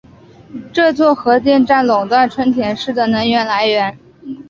这座核电站垄断春田市的能源来源。